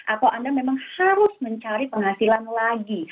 atau anda memang harus mencari penghasilan lagi